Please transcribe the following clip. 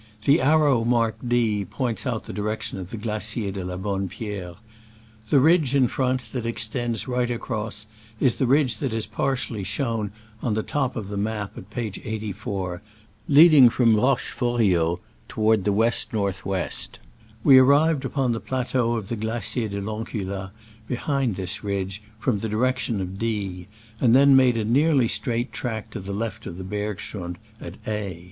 The arrow marked D points out the direction of the Glacier de la Bonne Pierre. The ridge in front, that extends right across, is the ridge that is partially shown on the top the map at iJ4, leading Roche Fau rio toward the W.NAV, We ar rived upon the plateau of the Gla cier de I'Encula, behind this ridge, from the direction of D, and then made a nearly straight track to the left hand of the bergschrund at A.